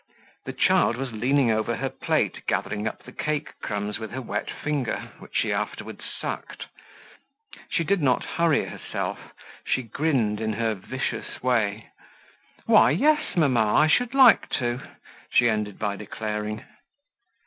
The child was leaning over her plate gathering up the cake crumbs with her wet finger, which she afterwards sucked. She did not hurry herself. She grinned in her vicious way. "Why yes, mamma, I should like to," she ended by declaring.